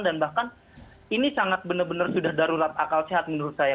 dan bahkan ini sangat benar benar sudah darurat akal sehat menurut saya